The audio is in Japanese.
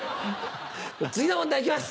次の問題行きます！